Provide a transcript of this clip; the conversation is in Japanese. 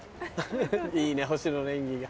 いいねほしのの演技が。